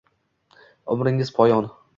Umrimiz poyon